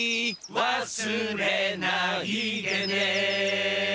「忘れないでね」